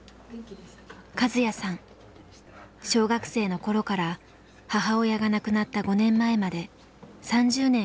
小学生の頃から母親が亡くなった５年前まで３０年